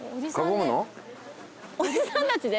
おじさんたちで？